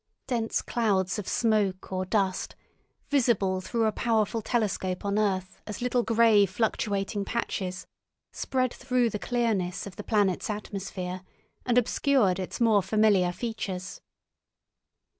Dense clouds of smoke or dust, visible through a powerful telescope on earth as little grey, fluctuating patches, spread through the clearness of the planet's atmosphere and obscured its more familiar features.